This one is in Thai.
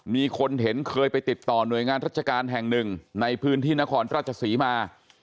มีคนเห็นเคยไปติดต่อหน่วยงานราชการแห่งหนึ่งในพื้นที่นครราชศรีมา